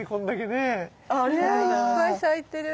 ねいっぱい咲いてる。